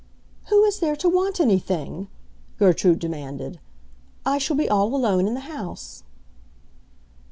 "Who is there to want anything?" Gertrude demanded. "I shall be all alone in the house."